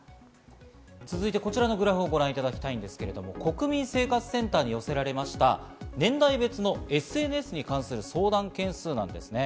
続いてこちらのグラフをご覧いただきたいですけれども、国民生活センターに寄せられました年代別のＳＮＳに関する相談件数なんですね。